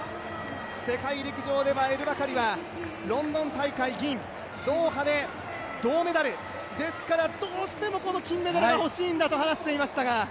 世界陸上ではエル・バカリはロンドン大会銀、ドーハで銅メダル、ですからどうしても金メダルが欲しいんだと話していましたが。